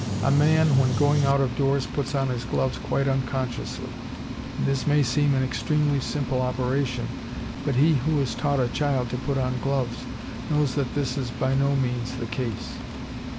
A man when going out of doors puts on his gloves quite unconsciously; and this may seem an extremely simple operation, but he who has taught a child to put on gloves, knows that this is by no means the case.